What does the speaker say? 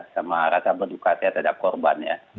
sama rasa berduka saya terhadap korban ya